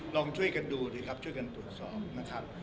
ลองช่วยกันดูสิครับช่วยกันตรวจสอบนะครับ